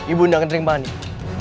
ibu ndang kering manik